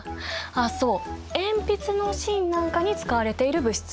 あっそう鉛筆の芯なんかに使われている物質。